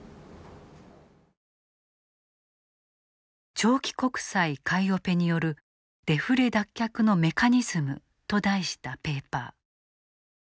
「長期国債買いオペによるデフレ脱却のメカニズム」と題したペーパー。